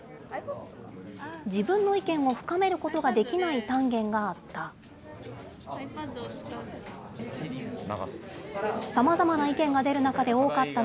自分の意見を深めることができない単元があった。